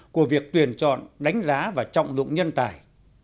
của việc tuyển chọn đánh giá và trọng dụng nhân tài